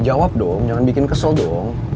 jawab dong jangan bikin kesel dong